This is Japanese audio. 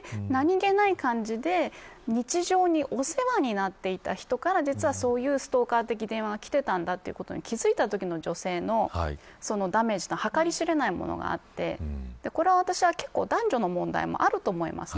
逆にいうと顔を知っていて自分だけが欲望を隠していて何気ない感じで日常にお世話になっていた人から実はそういうストーカー的電話が来てたんだというときの気づいたときの女性のダメージは計り知れないものがあって私は結構男女の問題もあると思います。